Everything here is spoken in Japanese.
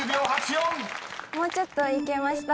もうちょっといけました。